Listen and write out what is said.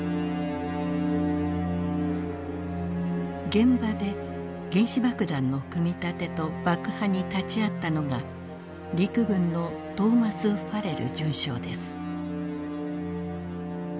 現場で原子爆弾の組み立てと爆破に立ち会ったのが陸軍のトーマス・ファレル准将です。